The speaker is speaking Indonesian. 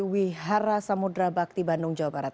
wihara samudera bakti bandung jawa barat